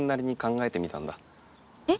え？